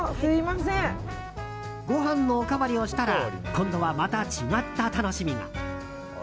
ご飯のおかわりをしたら今度はまた違った楽しみが。